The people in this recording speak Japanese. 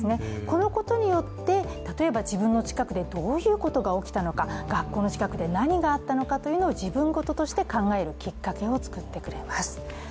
このことによって、例えば自分の近くでどういうことが起きたのか学校の近くで何があったのかというのを自分ごととして考えることができます。